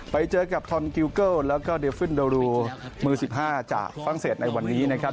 ไปเจอกับทอนกิวเกิลแล้วก็เดลฟินโดรูมือ๑๕จากฝรั่งเศสในวันนี้นะครับ